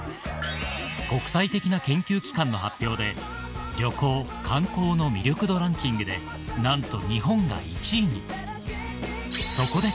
国際的な研究機関の発表で旅行観光の魅力度ランキングでなんと日本が１位にそこで